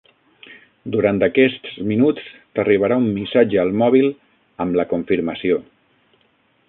Durant aquests minuts t'arribarà un missatge al mòbil amb la confirmació.